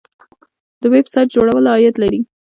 د ویب سایټ جوړول عاید لري